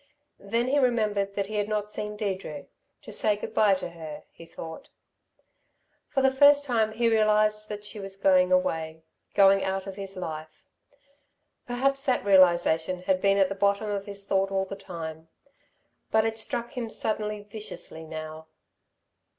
Then he remembered that he had not seen Deirdre to say good bye to her, he thought. For the first time he realised that she was going away going out of his life. Perhaps that realisation had been at the bottom of his thought all the time; but it struck him suddenly, viciously, now.